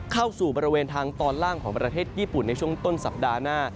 เข้าสู่บริเวณทางตอนล่างของประเทศญี่ปุ่นในช่วงต้นสัปดาห์หน้า